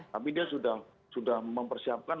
tapi dia sudah mempersiapkan